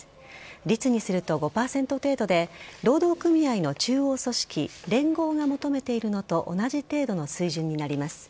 率にすると５％程度で労働組合の中央組織連合が求めているのと同じ程度の水準になります。